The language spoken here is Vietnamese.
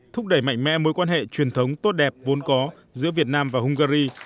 thúc đẩy mạnh mẽ mối quan hệ truyền thống tốt đẹp vốn có giữa việt nam và hungary